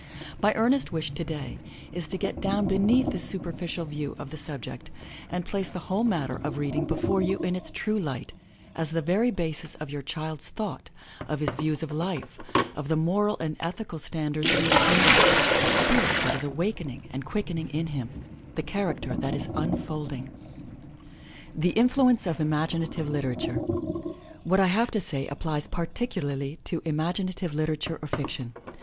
My earnest wish today is to get down beneath this superficial view of the subject, and place the whole matter of reading before you in its true light, as the very basis of your child's thought, of his views of life, of the moral and ethical standards he is forming, the spirit that is awakening and quickening in him, the character that is unfolding. THE INFLUENCE OF IMAGINATIVE LITERATURE What I have to say applies particularly to imaginative liter ature or fiction.